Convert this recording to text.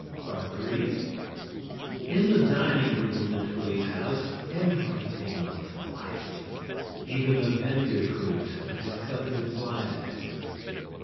PART 3 In the dining room of the Twillys' house everything was very quiet. Even the vinegar cruet which was covered with fly specks.